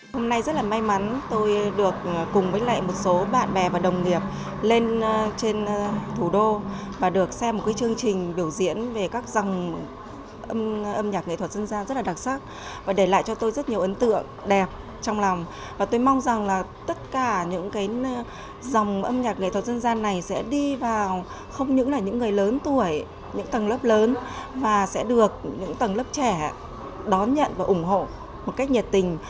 tiết mục này sẽ đi vào không những là những người lớn tuổi những tầng lớp lớn và sẽ được những tầng lớp trẻ đón nhận và ủng hộ một cách nhiệt tình